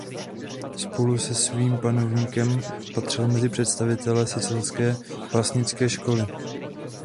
Spolu se svým panovníkem patřil mezi představitele Sicilské básnické školy.